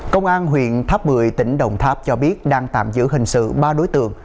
công an huyện tháp bười tỉnh đồng tháp cho biết đang tạm giữ hình sự ba đối tượng